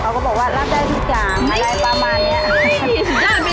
ก็บอกว่ารับได้ทุกอย่างอะไรประมาณนี้